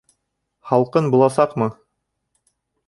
Һалҡын буласаҡмы?